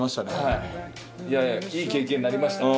いやいやいい経験になりましたね